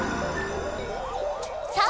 さあ！